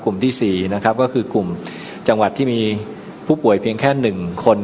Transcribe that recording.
กลุ่มที่สี่นะครับก็คือกลุ่มจังหวัดที่มีผู้ป่วยเพียงแค่หนึ่งคน